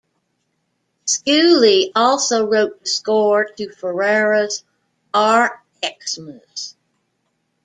Schoolly also wrote the score to Ferrara's "'R Xmas".